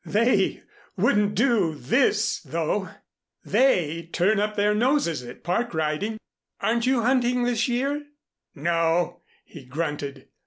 They wouldn't do this, though; they turn up their noses at Park riding. Aren't you hunting this year?" "No," he grunted.